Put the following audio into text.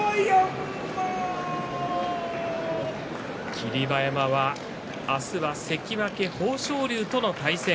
霧馬山は明日は関脇豊昇龍との対戦。